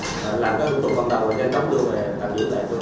công an tp tâm kỳ